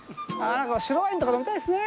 白ワインとか飲みたいですね。